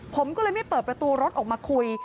ผมก็เลยไม่เปิดประตูรถออกมาคุย